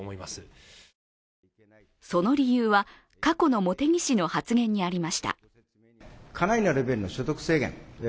その理由は、過去の茂木氏の発言にありました。